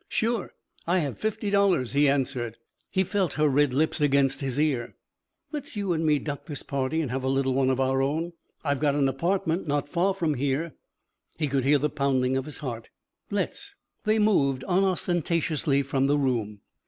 "Sure. I have fifty dollars," he answered. He felt her red lips against his ear. "Let's you and me duck this party and have a little one of our own. I've got an apartment not far from here." He could hear the pounding of his heart. "Let's." They moved unostentatiously from the room.